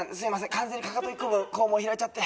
完全にかかと１個分肛門開いちゃって。